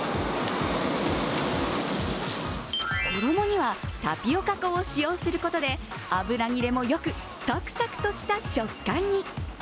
衣にはタピオカ粉を使用することで油切れもよくサクサクとした食感に。